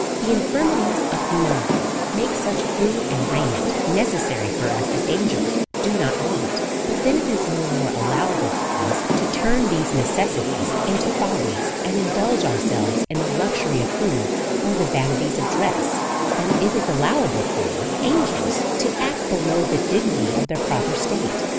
The infirmities of human life make such food and raiment necessary for us as angels do not want ; but then it is no more allowable for us to turn these neces sities into follies, and indulge ourselves in the luxury of food, or the vanities of dress, than it is allowable for DEVOUT AND HOLY LIFE, 55 angels to act below the dignity of their proper state.